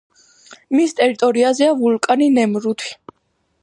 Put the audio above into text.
მის ტერიტორიაზეა ვულკანი ნემრუთი.